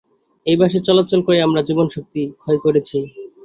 এই বাসে চলাচল করেই আমরা জীবনীশক্তি ক্ষয় করছি।